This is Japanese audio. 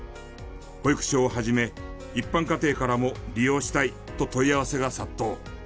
保育所を始め一般家庭からも利用したいと問い合わせが殺到。